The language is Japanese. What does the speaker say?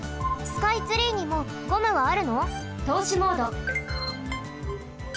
スカイツリーにもゴムはあるの？とうしモード。